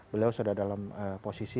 beliau sudah dalam posisi